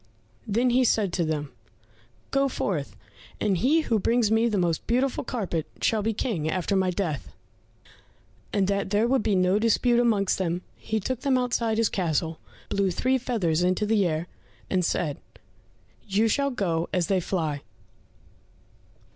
Then he said to them, "Go forth, and he who brings me the most beautiful carpet shall be King after my death." And that there should be no dispute amongst them, he took them outside his castle, blew three feathers in the air, and said, "You shall go as they fly."